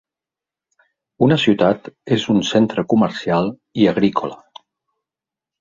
La ciutat és un centre comercial i agrícola.